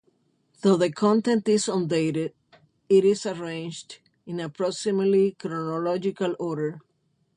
Though the content is undated, it is arranged in approximately chronological order.